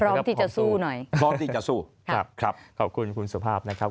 พร้อมที่จะสู้หน่อยพร้อมที่จะสู้ครับครับขอบคุณคุณสุภาพนะครับ